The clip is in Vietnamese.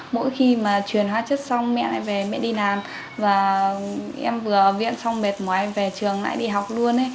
mỗi khi mà chuyển hóa chất xong mẹ lại về mẹ đi làm và em vừa viện xong mệt mỏi về trường lại đi học luôn